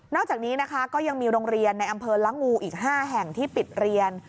จากนี้นะคะก็ยังมีโรงเรียนในอำเภอละงูอีก๕แห่งที่ปิดเรียน